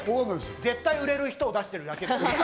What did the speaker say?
絶対売れる人を出してるだけ。